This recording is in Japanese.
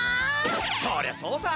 そりゃそうさ。